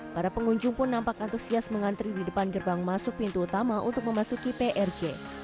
para pengunjung pun nampak antusias mengantri di depan gerbang masuk pintu utama untuk memasuki prj